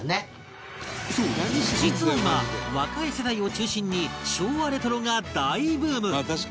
そう実は今若い世代を中心に昭和レトロが大ブーム！